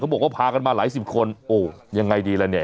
บอกว่าพากันมาหลายสิบคนโอ้ยังไงดีล่ะเนี่ย